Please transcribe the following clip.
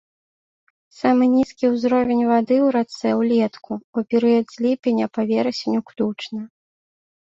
Самы нізкі ўзровень вады ў рацэ ўлетку, у перыяд з ліпеня па верасень уключна.